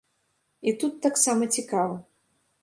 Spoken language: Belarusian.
І тут таксама цікава.